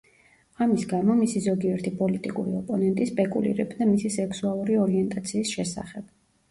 ამის გამო, მისი ზოგიერთი პოლიტიკური ოპონენტი სპეკულირებდა მისი სექსუალური ორიენტაციის შესახებ.